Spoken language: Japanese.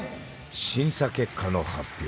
審査結果の発表。